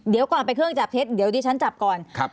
เดี๋ยวก่อนไปเครื่องจับเท็จเดี๋ยวดิฉันจับก่อนครับ